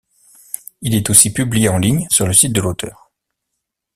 Il est aussi publié en ligne sur le site de l'auteur.